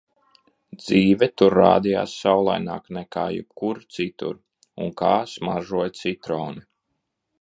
Dzīve tur rādījās saulaināka nekā jebkur citur. Un kā smaržoja citroni!